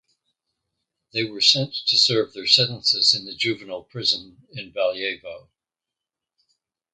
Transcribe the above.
They were sent to serve their sentences in the Juvenile Prison in Valjevo.